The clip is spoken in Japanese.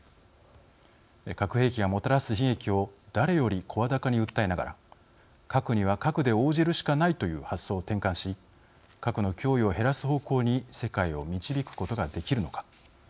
核兵器がもたらす悲劇を誰より声高に訴えながら核には核で応じるしかないという発想を転換し核の脅威を減らす方向に世界を導くことができるのか。